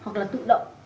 hoặc là tự động